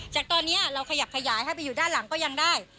จากตอนนี้เราขยับขยายให้ไปอยู่ด้านหลังก็ยังได้